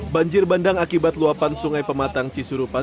banjir bandang akibat luapan sungai pematang cisurupan